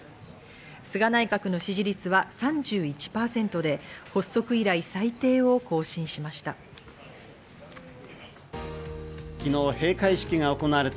菅内閣の支持率は３１％で、発足以来最低を更新しました。